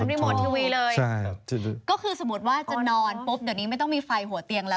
ก็คือสมมติว่าจะนอนปุ๊บเดี๋ยวนี้ไม่ต้องมีไฟหัวเตียงแล้ว